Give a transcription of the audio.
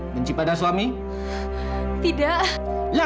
mungkin anaknya sama sekali